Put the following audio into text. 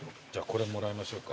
これもらいましょうか。